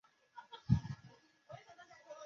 辛毗后来跟随曹操。